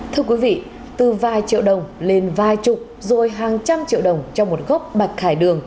thưa quý vị từ vài triệu đồng lên vài chục rồi hàng trăm triệu đồng cho một gốc bạch đường